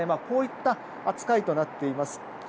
こういった扱いとなっています。